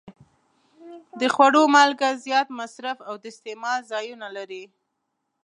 د خوړو مالګه زیات مصرف او د استعمال ځایونه لري.